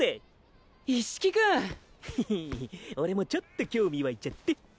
一色君！へへ俺もちょっと興味湧いちゃって。